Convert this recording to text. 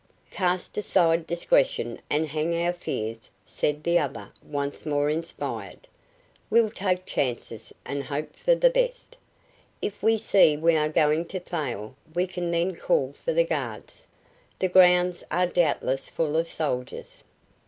"Cast aside discretion and hang our fears," said the other, once more inspired. "We'll take chances and hope for the best. If we see we are going to fail we can then call for the guards. The grounds are doubtless full of soldiers.